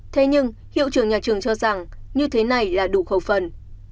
thế nhưng hiệu trưởng nhà trường cho rằng như thế này là đủ khẩu phần